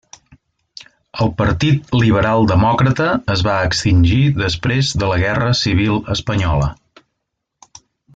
El Partit Liberal Demòcrata es va extingir després de la Guerra Civil espanyola.